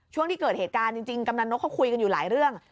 ช่วงที่เกิดเหตุการณ์จริงกำนันนกเขาคุยกันอยู่หลายเรื่อง